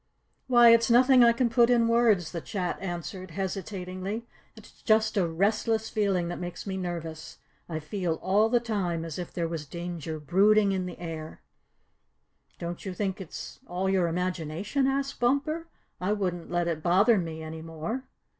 "Why, it's nothing I can put in words," the Chat answered hesitatingly. "It's just a restless feeling that makes me nervous. I feel all the time as if there was danger brooding in the air." "Don't you think it's all your imagination?" asked Bumper. "I wouldn't let it bother me any more."